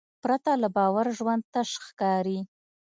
پرته له باور ژوند تش ښکاري.